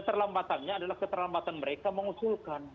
keterlambatannya adalah keterlambatan mereka mengusulkan